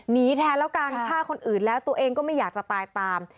แทนแล้วกันฆ่าคนอื่นแล้วตัวเองก็ไม่อยากจะตายตาม